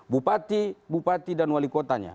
bupati bupati dan wali kotanya